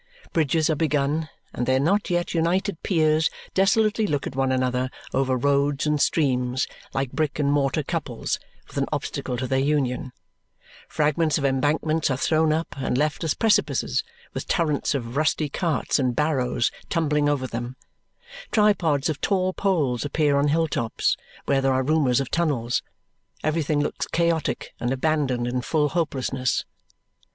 Bridges are begun, and their not yet united piers desolately look at one another over roads and streams like brick and mortar couples with an obstacle to their union; fragments of embankments are thrown up and left as precipices with torrents of rusty carts and barrows tumbling over them; tripods of tall poles appear on hilltops, where there are rumours of tunnels; everything looks chaotic and abandoned in full hopelessness.